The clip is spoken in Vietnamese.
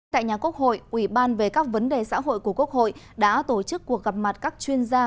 tại nhà quốc hội ủy ban về các vấn đề xã hội của quốc hội đã tổ chức cuộc gặp mặt các chuyên gia